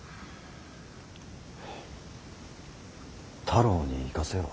太郎に行かせよ。